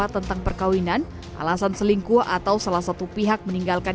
seribu sembilan ratus tujuh puluh empat tentang perkawinan alasan selingkuh atau salah satu pihak meninggalkan